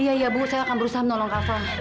iya iya bu saya akan berusaha menolong kapal